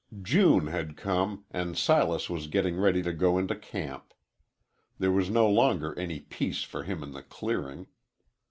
June had come, and Silas was getting ready to go into camp. There was no longer any peace for him in the clearing.